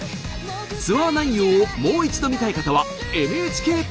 ツアー内容をもう一度見たい方はＮＨＫプラスで。